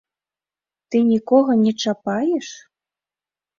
Ты нікога не чапаеш?